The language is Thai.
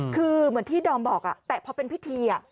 คือเหมือนที่ดอมบอกแต่พอเป็นพิธี